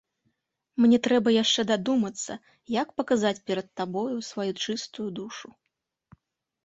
Мне трэба яшчэ дадумацца, як паказаць перад табою сваю чыстую душу.